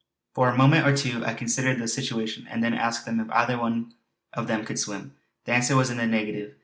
For a moment or two I considered the situation, and then asked them if either of them could swim. The answer was in the negative.